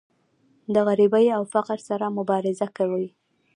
د غریبۍ او فقر سره مبارزه کوي.